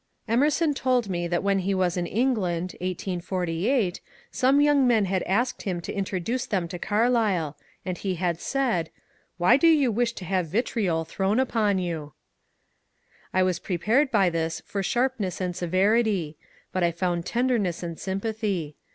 Emerson told me that when he was in England (1848) some young men had asked him to introduce them to Carlyle, and he had said, '^ Why do you wish to have vitriol thrown upon WITH FROUDE AT CARLTLE'S 399 you ?" I was prepared by this for sharpness and severity, but I found tenderness and sympathy.